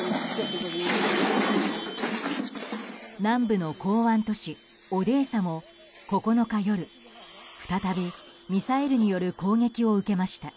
南部の港湾都市オデーサも９日夜、再びミサイルによる攻撃を受けました。